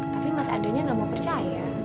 tapi mas andre nya gak mau percaya